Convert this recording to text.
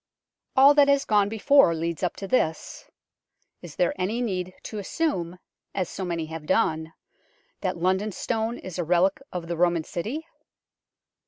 All that has gone before leads up to this. Is there any need to assume, as so many have done, that London Stone is a relic of the Roman city